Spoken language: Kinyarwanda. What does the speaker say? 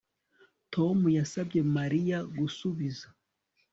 Tom yasabye Mariya gusubiza